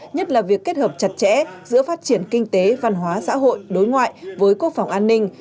nhất là việc kết hợp chặt chẽ giữa phát triển kinh tế văn hóa xã hội đối ngoại với quốc phòng an ninh